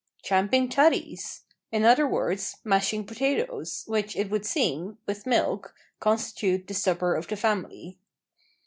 "`Champing tatties,' in other words, mashing potatoes, which it would seem, with milk, constitute the supper of the family."